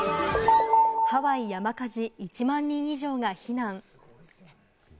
ハワイ山火事、１万人以上が避難。